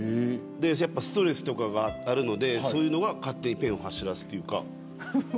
ストレスとかがあるのでそういうのが勝手にペンを走らせるというか。